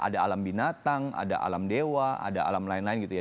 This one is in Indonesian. ada alam binatang ada alam dewa ada alam lain lain gitu ya